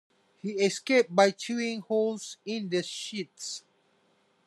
He escapes by chewing holes in the sheets.